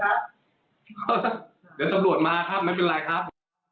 เดี๋ยวตำรวจมาครับไม่เป็นไรครับ